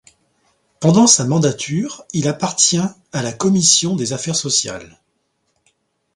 Pendant sa mandature, il appartient à la commission des affaires sociales.